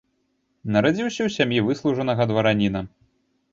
Нарадзіўся ў сям'і выслужанага двараніна.